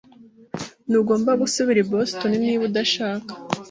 Ntugomba gusubira i Boston niba udashaka.